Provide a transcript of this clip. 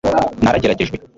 narageragejwe